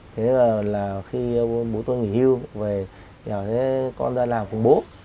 thế là khi bố tôi nghỉ hưu về con ra làm cùng bố